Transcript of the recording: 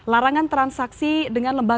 larangan transaksi dengan lembaga